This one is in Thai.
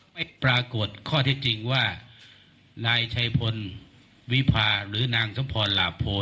ไม่ปรากฏข้อเท็จจริงว่านายชัยพลวิพาหรือนางสมพรหลาโพ